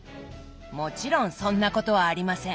もちろんそんなことはありません。